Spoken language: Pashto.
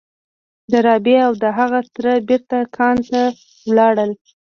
ډاربي او د هغه تره بېرته کان ته ولاړل.